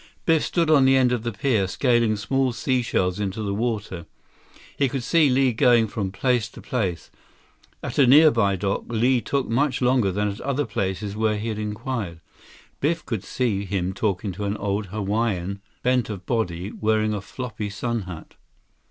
Biff stood on the end of the pier, scaling small sea shells into the water. He could see Li going from place to place. At a nearby dock, Li took much longer than at the other places where he had inquired. Biff could see him talking to an old Hawaiian, bent of body, wearing a floppy sun hat.